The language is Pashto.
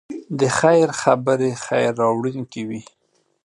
د خیر خبرې خیر راوړونکی وي.